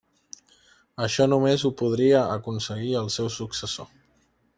Això només ho podria aconseguir el seu successor.